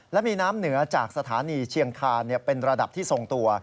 และมีน้ำเหนือจากสถานีเชียงคานเป็นระดับที่ทรงตัว